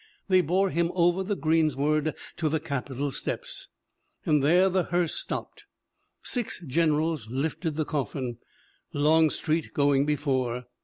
They bore him over the greensward to the Capitol steps, and there the hearse stopped. Six generals lifted the coffin, Longstreet going before.